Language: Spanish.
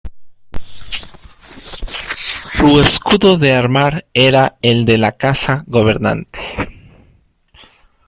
Su escudo de armar era el de la Casa gobernante.